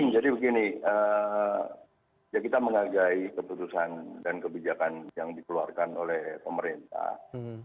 jadi begini kita mengagai keputusan dan kebijakan yang dikeluarkan oleh pemerintah